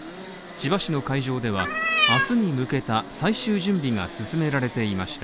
千葉市の会場では明日に向けた最終準備が進められていました。